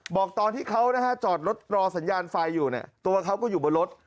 บอกตอนที่เขาจอดรถรอสัญญาณไฟอยู่ตัวเขาก็อยู่บนรถ